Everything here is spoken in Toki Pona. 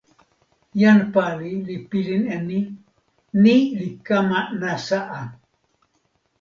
"jan pali li pilin e ni: "ni li kama nasa a!"